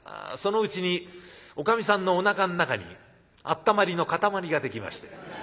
そのうちにおかみさんのおなかの中にあったまりのかたまりができまして。